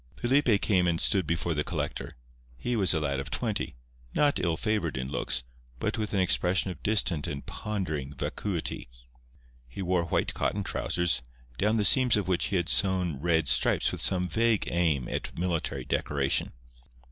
Felipe came and stood before the collector. He was a lad of twenty, not ill favoured in looks, but with an expression of distant and pondering vacuity. He wore white cotton trousers, down the seams of which he had sewed red stripes with some vague aim at military decoration.